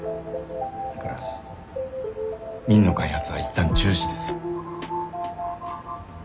だから「Ｍｉｎ」の開発は一旦中止です。